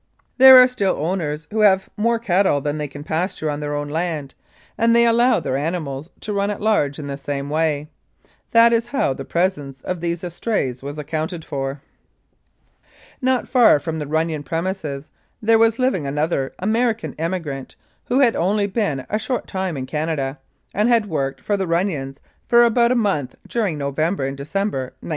There are still owners who have more cattle than they can pasture on their own land, and they allow their animals to run at large in the same way. That is how the presence of these estrays was accounted for. Not far from the Runnion premises there was living another American immigrant who had only been a short time in Canada, and had worked for the Run nions for about a month during November and December, 1907.